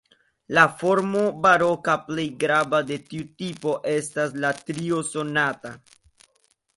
La formo baroka plej grava de tiu tipo estas la trio sonata.